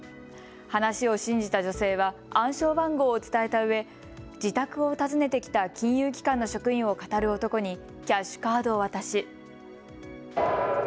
話を信じた女性は暗証番号を伝えたうえ、自宅を訪ねてきた金融機関の職員をかたる男にキャッシュカードを渡し。